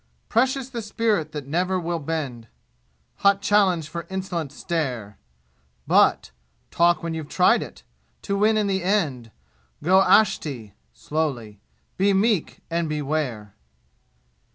Precious the spirit that never will bend Hot challenge for insolent stare! But talk when you've tried it! to win in the end, Go ahsti!* Be meek! And beware!